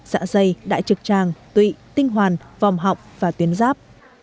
dạ dày đại trực tràng tụy tinh hoàn vòng học và tuyến giáp